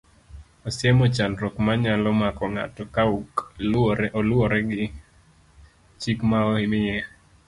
Osiemo chandruok manyalo mako ng'ato ka ok oluwore gi chik ma omiye.